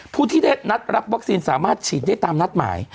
ผู้ที่ได้นัดรับวัคซีนสามารถฉีดได้ตามนัดหมาย